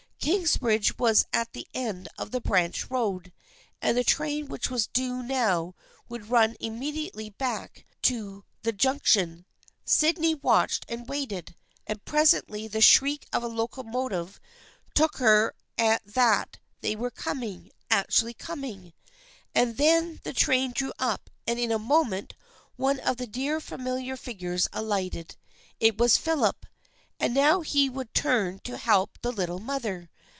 Kingsbridge was at the end of the branch road, and the train which was due now would run immediately back to the 310 THE FRIENDSHIP OF ANNE Junction. Sydney watched and waited, and pres ently the shriek of a locomotive told her that they were coming, actually coming ! And then the train drew up and in a moment one of the dear familiar figures alighted. It was Philip, and now he would turn to help the little mother.